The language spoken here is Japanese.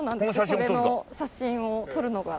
それの写真を撮るのが。